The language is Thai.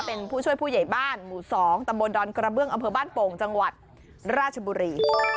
เป็นผู้ช่วยผู้ใหญ่บ้านหมู่๒ตำบลดอนกระเบื้องอำเภอบ้านโป่งจังหวัดราชบุรี